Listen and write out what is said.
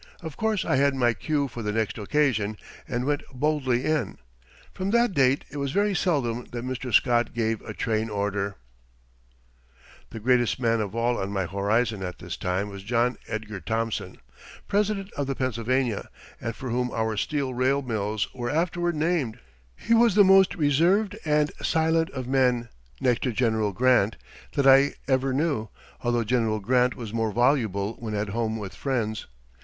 Of course I had my cue for the next occasion, and went boldly in. From that date it was very seldom that Mr. Scott gave a train order. [Illustration: THOMAS A. SCOTT] [Illustration: JOHN EDGAR THOMSON] The greatest man of all on my horizon at this time was John Edgar Thomson, president of the Pennsylvania, and for whom our steel rail mills were afterward named. He was the most reserved and silent of men, next to General Grant, that I ever knew, although General Grant was more voluble when at home with friends.